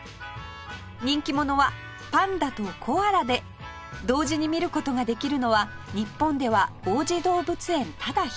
人気者はパンダとコアラで同時に見る事ができるのは日本では王子動物園ただ一つ